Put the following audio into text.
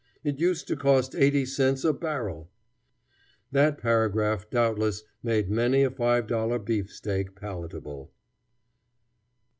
It used to cost eighty cents a barrel." That paragraph doubtless made many a five dollar beefsteak palatable.